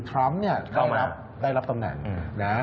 ทรัมป์ได้รับตำแหน่ง